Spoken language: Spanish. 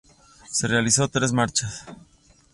Se realizaron tres marchas.